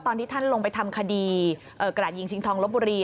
ตอนที่ท่านลงไปทำคดีกระดาษยิงชิงทองลบบุรี